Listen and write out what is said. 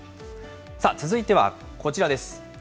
続いてはこちらです。